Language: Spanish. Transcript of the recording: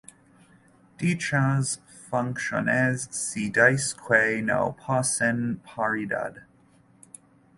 Dichas funciones se dice que no poseen paridad.